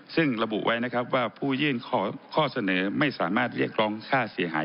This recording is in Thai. ซึ่งระบุไว้นะครับว่าผู้ยื่นข้อเสนอไม่สามารถเรียกร้องค่าเสียหาย